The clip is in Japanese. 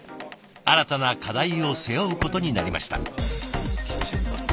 新たな課題を背負うことになりました。